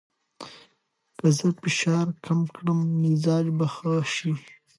که زه فشار کم کړم، مزاج به ښه شي.